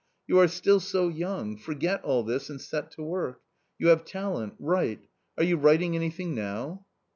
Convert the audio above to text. You are still so young, forget all this and set to work ; you have talent ; write Are you writing anything now